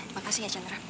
makasih ya chandra